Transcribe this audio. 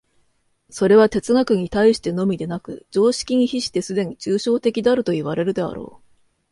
それは哲学に対してのみでなく、常識に比してすでに抽象的であるといわれるであろう。